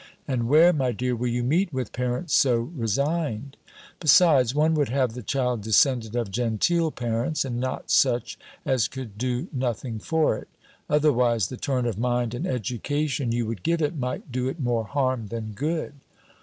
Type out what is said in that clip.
And where, my dear, will you meet with parents so resigned? Besides, one would have the child descended of genteel parents, and not such as could do nothing for it; otherwise the turn of mind and education you would give it, might do it more harm than good."